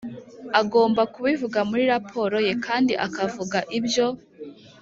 Agomba kubivuga muri raporo ye kandi akavuga ibyo